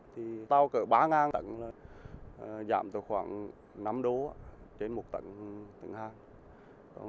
thì tàu cỡ ba ngàn tấn là giảm từ khoảng năm đố trên một tấn tấn hai